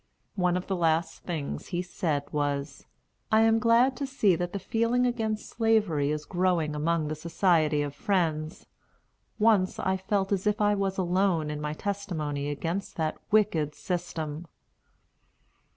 One of the last things he said was, "I am glad to see that the feeling against slavery is growing among the Society of Friends. Once I felt as if I was alone in my testimony against that wicked system."